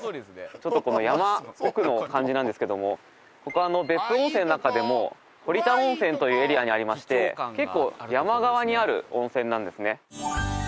ちょっとこの山奥の感じなんですけどもここ別府温泉の中でも堀田温泉というエリアにありまして結構山側にある温泉なんですね